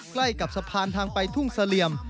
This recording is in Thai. ใกล้กับสะพานทางไปทุ่งเสลี่ยม